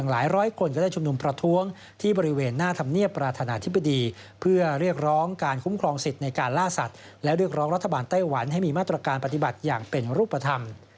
และรัฐบาลไต้หวันให้มีมาตรการปฏิบัติอย่างเป็นรูปธรรม